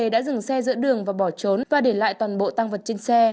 đã dừng xe giữa đường và bỏ trốn và để lại toàn bộ tăng vật trên xe